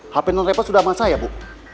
hape nonrepo sudah sama saya ya bu